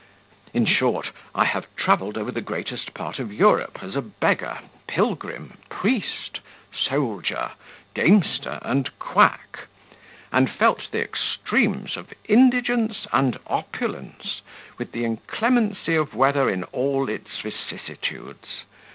In short, I have travelled over the greatest part of Europe, as a beggar, pilgrim, priest, soldier, gamester, and quack; and felt the extremes of indigence and opulence, with the inclemency of weather in all its vicissitudes.